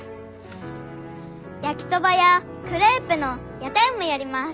焼きそばやクレープの屋台もやります。